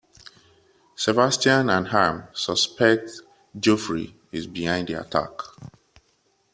Sebastian and Ham suspect Geoffrey is behind the attack.